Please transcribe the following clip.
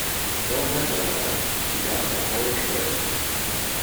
“Well met, my lad!” He got a horrid fright.